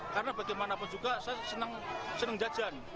karena bagaimanapun juga saya senang jajan